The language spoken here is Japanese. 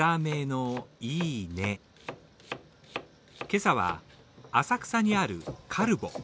今朝は浅草にあるカルボ。